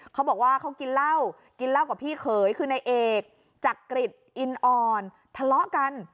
เขาบอกว่าเขากินเหล้ากินเหล้ากับพี่เขยคือนายเอกจักริตอินอ่อนทะเลาะกัน